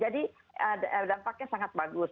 jadi dampaknya sangat bagus